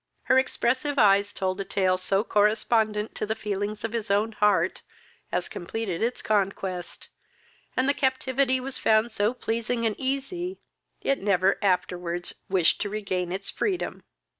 Her expressive eyes told a tale so correspondent to the feelings of his own heart, as completed its conquest, and the captivity was found so pleasing and easy, it never afterwards wished to regain its freedom.